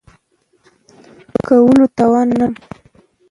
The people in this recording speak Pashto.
کولو توان نه لرم .